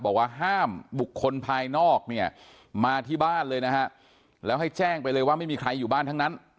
บอกว่าห้ามบุคคลภายนอกเนี่ยมาที่บ้านเลยนะฮะแล้วให้แจ้งไปเลยว่าไม่มีใครอยู่บ้านทั้งนั้น